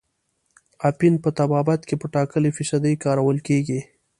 اپین په طبابت کې په ټاکلې فیصدۍ کارول کیږي.